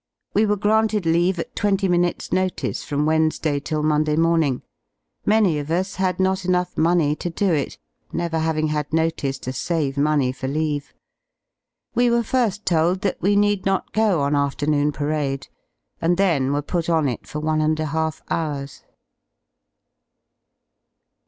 We were granted leave at twenty minutes' notice from Wednesday till Monday morning. Many of us had not enough money to do it, never having had notice to save money for leave. We were fir^ told that we need not go on afternoon parade, and then were put on it for one and a half hours.